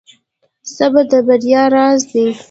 • صبر د بریا راز دی.